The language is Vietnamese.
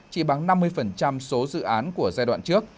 chỉ bằng năm mươi số dự án của giai đoạn trước